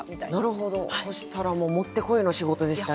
なるほどそしたらもうもってこいの仕事でしたね。